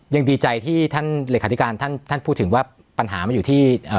ยังดีใจที่ท่านเลขาธิการท่านท่านพูดถึงว่าปัญหามันอยู่ที่เอ่อ